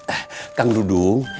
eh kang dudung